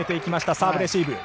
サーブレシーブ。